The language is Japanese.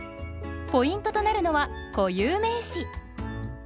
ポイントとなるのは固有名詞。